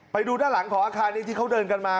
ไปดูด้านหลังของอาคารนี้ที่เขาเดินกันมา